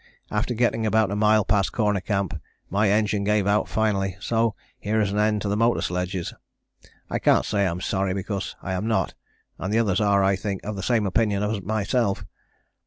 After getting about a mile past Corner Camp my engine gave out finally, so here is an end to the motor sledges. I can't say I am sorry because I am not, and the others are, I think, of the same opinion as myself.